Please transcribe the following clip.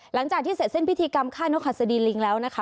หลังจากที่เสร็จสิ้นพิธีกรรมค่ายนกหัสดีลิงแล้วนะคะ